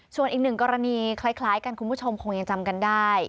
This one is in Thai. ส่วนอีกหนึ่งกรณีคล้ายกันคุณผู้ชมคงยังจำกันได้